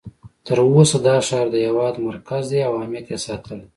تر اوسه دا ښار د هېواد مرکز دی او اهمیت یې ساتلی.